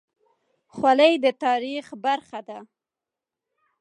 خولۍ د تاریخ برخه ده.